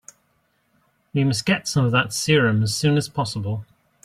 We must get some of that serum as soon as possible.